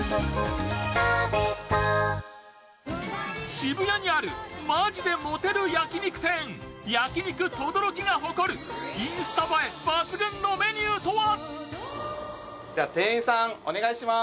渋谷にある本気でモテる焼き肉店、焼肉とどろきが誇るインスタ映え抜群のメニューとは？